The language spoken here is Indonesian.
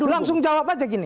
langsung jawab aja gini